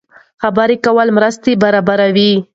خبرې کول مرسته برابروي.